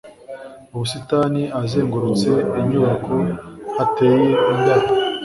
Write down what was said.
ubusitani ahazengurutse inyubako hateye indabo